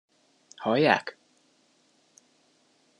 Hallják?